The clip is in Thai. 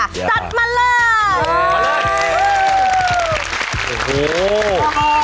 จัดมาเริ่ม